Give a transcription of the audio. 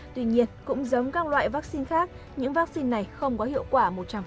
tuy nhiên cũng giống các loại vaccine khác những vaccine này không có hiệu quả một trăm linh